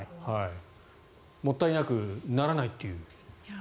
もったいなくならないという。